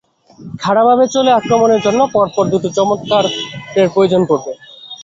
খাড়াভাবে ঢলে আক্রমণের জন্য, পরপর দুটো চমৎকারের প্রয়োজন পড়বে।